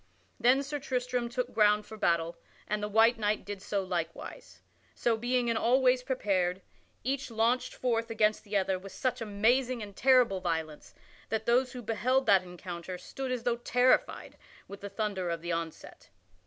Then Sir Tristram took ground for battle, and the white knight did so likewise. So being in all ways prepared, each launched forth against the other with such amazing and terrible violence that those who beheld that encounter stood as though terrified with the thunder of the onset.